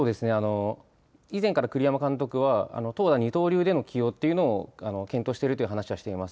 以前から栗山監督は、投打二刀流での起用っていうのを検討しているという話はしています。